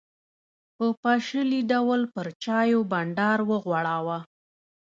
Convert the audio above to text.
په پاشلي ډول پر چایو بانډار وغوړاوه.